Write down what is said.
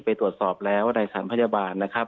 ไปตรวจสอบแล้วในสรรพจบาล